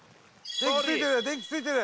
電気ついてる！